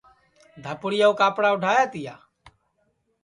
دھپُوڑِیا کُو کاپڑا اُڈایا تیا